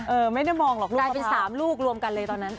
เออไม่ได้มองหรอกลูกมะพร้าวตายไป๓ลูกรวมกันเลยตอนนั้น